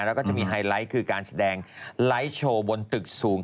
แล้วก็จะมีไฮไลท์คือการแสดงไลค์โชว์บนตึกสูง